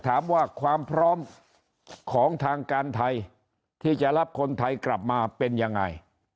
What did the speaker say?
ถามว่าความพร้อมของทางการไทยที่จะรับคนไทยกลับมาเป็นยังไง